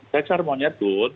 saya caranya mau nyatut